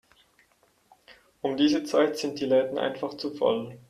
Um diese Zeit sind die Läden einfach zu voll.